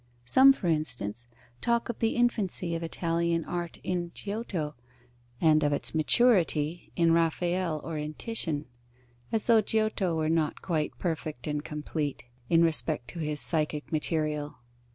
Some, for instance, talk of the infancy of Italian art in Giotto, and of its maturity in Raphael or in Titian; as though Giotto were not quite perfect and complete, in respect to his psychic material.